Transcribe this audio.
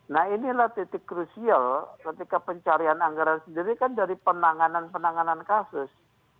nah inilah titik krusial ketika pencarian anggaran sendiri kan dari penanganan penanganan kasus